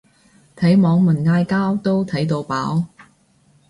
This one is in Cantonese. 睇網民嗌交都睇到飽